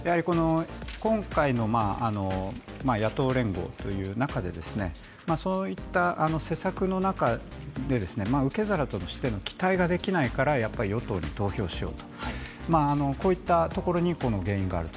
今回の野党連合という中で、そういった施策の中で受け皿としての期待ができないから与党に投票しようとこういったところに原因があると。